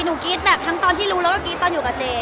กรี๊ดแบบทั้งตอนที่รู้แล้วว่ากรี๊ดตอนอยู่กับเจ